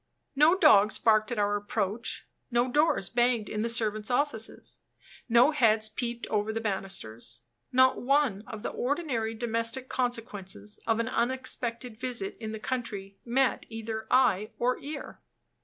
No dogs barked at our approach no doors banged in the servants' offices no heads peeped over the banisters not one of the ordinary domestic consequences of an unexpected visit in the country met either eye or ear.